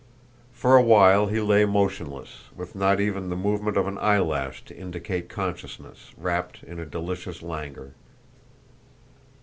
For a while he lay motionless, with not even the movement of an eye lash to indicate consciousness, wrapped in a delicious languor.